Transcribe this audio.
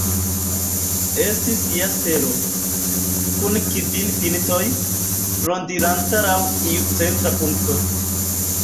Estis ja stelo, kun kvin pintoj, rondiranta laŭ iu centra punkto.